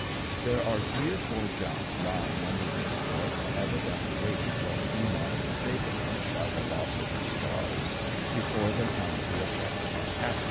There are three or four junks lying under this fort, evidently waiting for the Eamont's disablement by the loss of her spars, before they come to effect her capture.